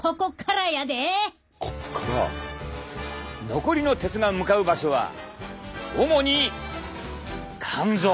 残りの鉄が向かう場所は主に肝臓。